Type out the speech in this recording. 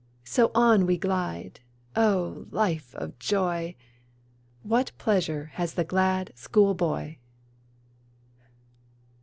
So on we glide O, life of joy; What pleasure has the glad school boy!